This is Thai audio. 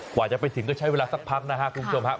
กว่าจะไปถึงก็ใช้เวลาสักพักนะครับคุณผู้ชมครับ